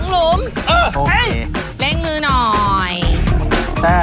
เล่งมือหน่อย